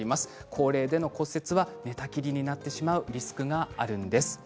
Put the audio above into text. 高齢での骨折は寝たきりになってしまうリスクがあるんです。